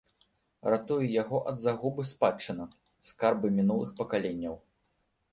Ратуе яго ад загубы спадчына, скарбы мінулых пакаленняў.